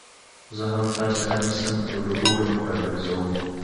زه هم تاسي رانيسم او له اوره مو راگرځوم